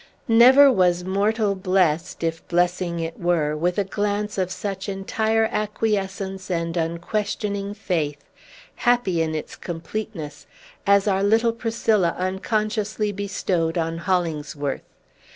Never was mortal blessed if blessing it were with a glance of such entire acquiescence and unquestioning faith, happy in its completeness, as our little Priscilla unconsciously bestowed on Hollingsworth.